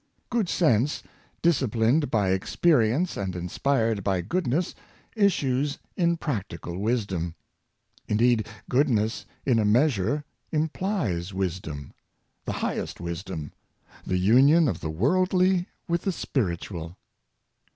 Good sense, disciplined by experience and inspired by goodness, issues in practical wisdom. In deed, goodness in a measure implies wisdom — the high est wisdom — the union of the worldly with the spirit ual.